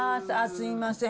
すみません。